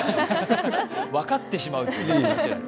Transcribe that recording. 分かってしまうという。